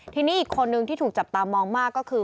ทีนี้อีกคนนึงที่ถูกจับตามองมากก็คือ